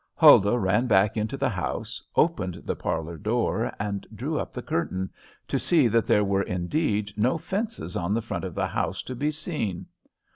Huldah ran back into the house, opened the parlor door and drew up the curtain, to see that there were indeed no fences on the front of the house to be seen.